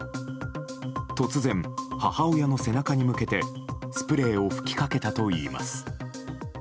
突然、母親の背中に向けてスプレーを噴きかけたといいます。